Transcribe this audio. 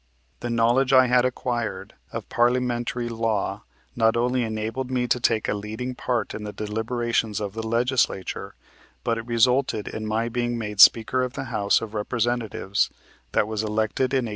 The knowledge I had acquired of parliamentary law not only enabled me to take a leading part in the deliberations of the Legislature, but it resulted in my being made Speaker of the House of Representatives that was elected in 1871.